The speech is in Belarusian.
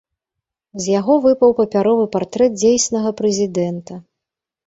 З яго выпаў папяровы партрэт дзейснага прэзідэнта.